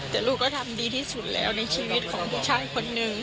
แต่ลูกก็ทำดีที่สุดแล้วในชีวิตของผู้ชายคนนึง